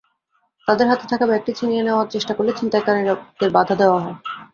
তাঁদের হাতে থাকা ব্যাগটি ছিনিয়ে নেওয়ার চেষ্টা করলে ছিনতাইকারীদের বাধা দেওয়া হয়।